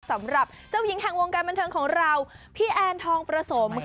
สำหรับเจ้าหญิงแห่งวงการบันเทิงของเราพี่แอนทองประสม